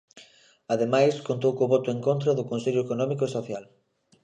Ademais, contou co voto en contra do Consello Económico e Social.